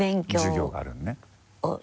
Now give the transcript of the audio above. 授業があるのね。